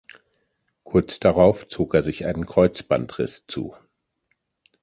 Kurz darauf zog er sich einen Kreuzbandriss zu.